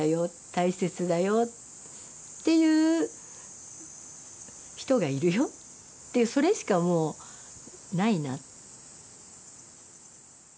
大切だよっていう人がいるよっていうそれしかもうないな。